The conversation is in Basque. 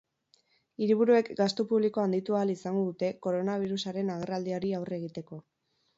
Hiriburuek gastu publikoa handitu ahal izango dute koronabirusaren agerraldiari aurre egiteko.